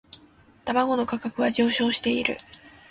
卵の価格は上昇している